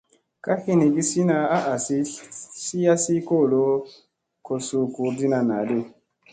Ka hinigi sina a asi sii yasi kolo ko suu gurɗiina naa di.